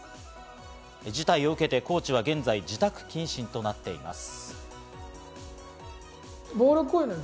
事態を受けてコーチは現在、自宅謹慎となっています。